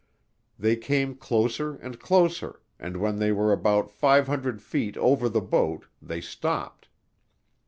They came closer and closer, and when they were about 500 feet over the boat they stopped.